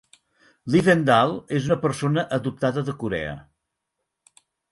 Lifvendahl és una persona adoptada de Corea.